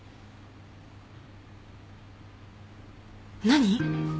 何？